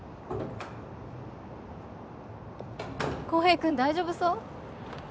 ・公平君大丈夫そう？